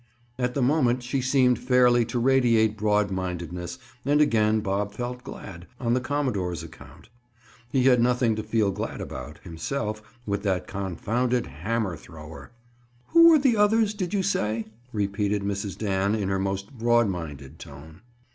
At the moment she seemed fairly to radiate broad mindedness and again Bob felt glad—on the commodore's account. He had nothing to feel glad about, himself, with that confounded hammer thrower— "Who were the others, did you say?" repeated Mrs. Dan, in her most broad minded tone.